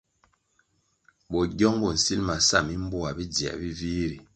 Bogyong bo nsil ma sa mimboa bidziē bi vih ri.